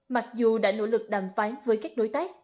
mặc dù đã nỗ lực đàm phán với các đối tác